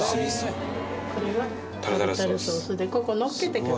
これはタルタルソースでここのっけてから。